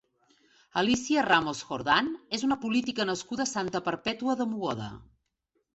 Alicia Ramos Jordán és una política nascuda a Santa Perpètua de Mogoda.